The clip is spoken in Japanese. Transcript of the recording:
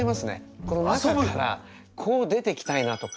この中からこう出てきたいなとか。